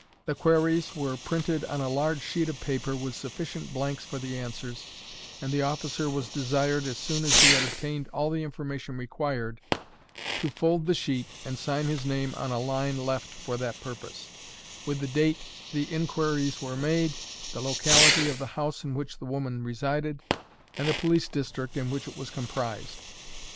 The queries were printed on a large sheet of paper, with sufficient blanks for the answers, and the officer was desired, as soon as he had obtained all the information required, to fold the sheet, and sign his name on a line left for that purpose, with the date the inquiries were made, the locality of the house in which the woman resided, and the police district in which it was comprised.